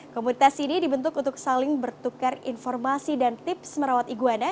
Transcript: komunitas ini dibentuk untuk saling bertukar informasi dan tips merawat iguana